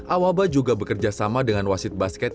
awaba juga bekerja sama dengan wasit basket